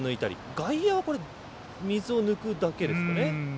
外野は水を抜くだけですね。